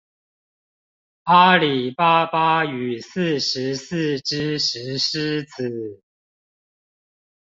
阿里巴巴與四十四隻石獅子